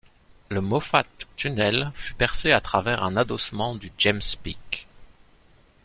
Le Moffat Tunnel fut percé à travers un adossement du James Peak.